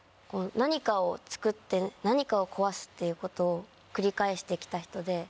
何かをつくって何かを壊すっていうことを繰り返して来た人で。